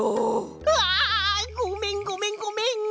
うわあ！ごめんごめんごめん！